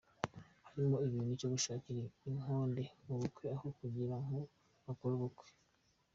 Harimo ikintu cyo gushakira indonke mu bukwe aho kugira ngo bakore ubukwe.